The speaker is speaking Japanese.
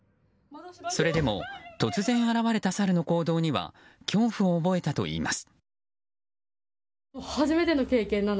それでも、突然現れたサルの行動には恐怖を覚えたといいます。